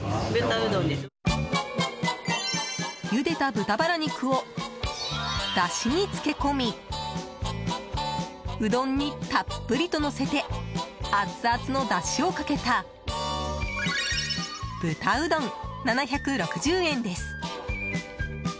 ゆでた豚バラ肉をだしに漬け込みうどんにたっぷりとのせてアツアツのだしをかけた豚うどん、７６０円です。